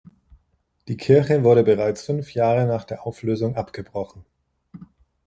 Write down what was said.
Die Kirche wurde bereits fünf Jahre nach der Auflösung abgebrochen.